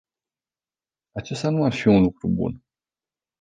Acesta nu ar fi un lucru bun.